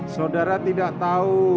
saudara tidak tahu